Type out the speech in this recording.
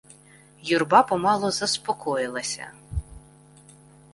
Юрба помалу заспокоїлася.